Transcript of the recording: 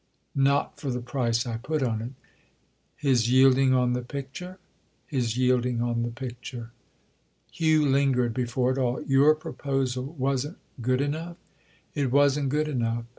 "Not for the price I put on it." "His yielding on the picture?" "His yielding on the picture." Hugh lingered before it all. "Your proposal wasn't 'good enough'?" "It wasn't good enough."